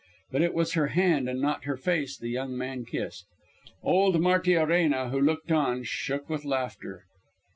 But it was her hand and not her face the young man kissed. Old Martiarena, who looked on, shook with laughter.